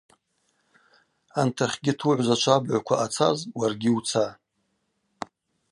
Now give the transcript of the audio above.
Антахьгьыт уыгӏвзачва абыгӏвква ъацаз уаргьи уца.